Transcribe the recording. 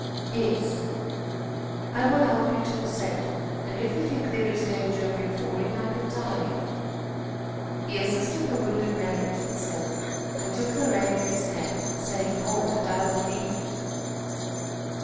"Yes." "I will help you to the saddle, and, if you think there is danger of your falling, I can tie you." He assisted the wounded man into the saddle and took the rein in his hand, saying, "Hold, and I will lead."